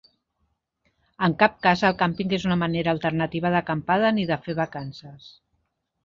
En cap cas el càmping és una manera alternativa d'acampada ni de fer vacances.